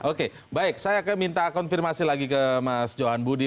oke baik saya akan minta konfirmasi lagi ke mas johan budi